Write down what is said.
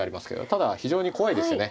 ただ非常に怖いですよね。